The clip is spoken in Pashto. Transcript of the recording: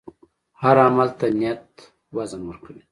هر عمل ته نیت وزن ورکوي.